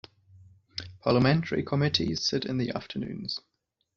Parliamentary committees sit in the afternoons.